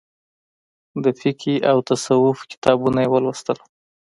د فقهي او تصوف کتابونه یې ولوستل.